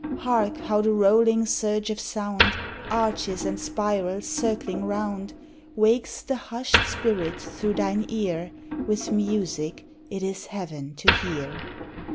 Hark, how the rolling surge of sound, Arches and spirals circling round, Wakes the hushed spirit through thine ear With music it is heaven to hear.